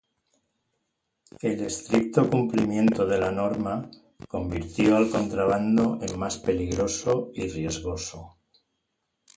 El estricto cumplimiento de la norma convirtió al contrabando en más peligroso y riesgoso.